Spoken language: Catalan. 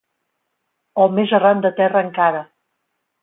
O més arran de terra encara.